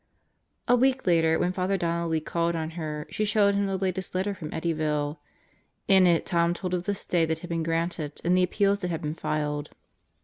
A week later, when Father Donnelly called on her, she showed him the latest letter from Eddyville. In it Tom told of the stay that had been granted and the appeals that had been filed.